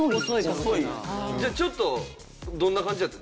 ちょっとどんな感じやった？